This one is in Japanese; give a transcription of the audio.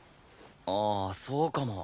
ああそうかも。